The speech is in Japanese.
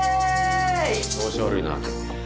調子悪いな。